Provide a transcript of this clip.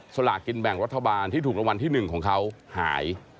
สลากินแบ่งรัฐบาลที่ถูกรางวัลที่๑ของเขาหาย